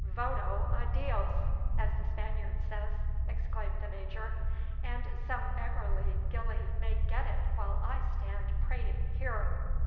"VOTO A DIOS! as the Spaniard says," exclaimed the Major, "and some beggarly gilly may get it while I stand prating here!"